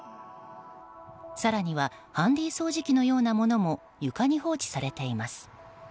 更にはハンディー掃除機のようなものも床に放置されています。